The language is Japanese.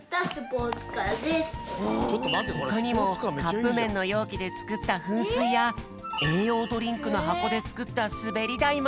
ほかにもカップめんのようきでつくったふんすいやえいようドリンクのはこでつくったすべりだいまで。